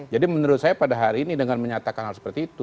jadi menurut saya pada hari ini dengan menyatakan hal seperti itu